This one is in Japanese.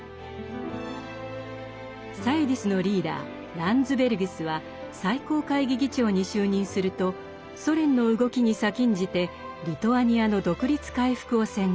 サユディスのリーダーランズベルギスは最高会議議長に就任するとソ連の動きに先んじてリトアニアの独立回復を宣言。